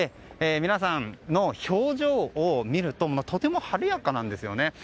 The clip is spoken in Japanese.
皆さんの表情を見るととても晴れやかなんですよね。